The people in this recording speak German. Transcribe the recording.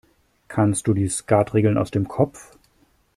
Kannst du die Skatregeln aus dem Kopf?